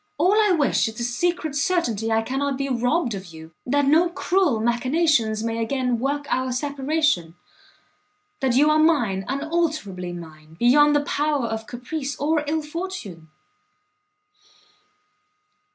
All I wish is the secret certainty I cannot be robbed of you, that no cruel machinations may again work our separation, that you are mine, unalterably mine, beyond the power of caprice or ill fortune."